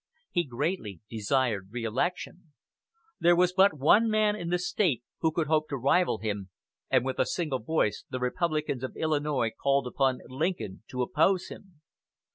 He greatly desired reelection. There was but one man in the State who could hope to rival him, and with a single voice the Republicans of Illinois called upon Lincoln to oppose him.